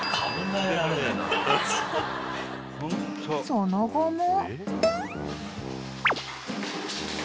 ［その後も］